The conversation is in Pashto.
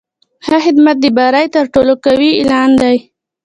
ښه خدمت د بری تر ټولو قوي اعلان دی.